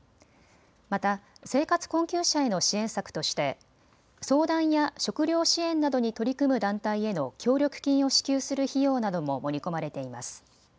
また生活困窮者への支援策として相談や食料支援などに取り組む団体への協力金を支給する費用なども盛り込まれています。